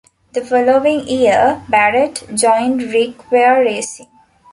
The following year, Barrett joined Rick Ware Racing.